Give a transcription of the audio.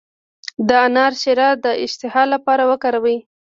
د انار شیره د اشتها لپاره وکاروئ